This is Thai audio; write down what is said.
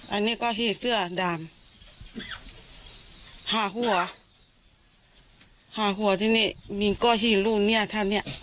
อันนี้ก็เห็นเสื้อดามหาหัวหาหัวที่นี่มีก็เห็นลูกเนี่ยท่านเนี่ย